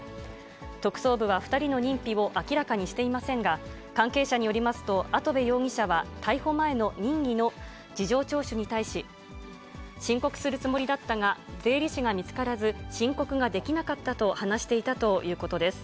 特捜部は２人の認否を明らかにしていませんが、関係者によりますと、跡部容疑者は逮捕前の任意の事情聴取に対し、申告するつもりだったが、税理士が見つからず、申告ができなかったと話していたということです。